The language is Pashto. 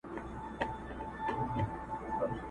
دلته جنګونه کیږي!!